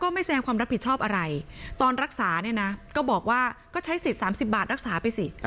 ไม่แสดงความรับผิดชอบอะไรตอนรักษาเนี่ยนะก็บอกว่าก็ใช้สิทธิ์๓๐บาทรักษาไปสิ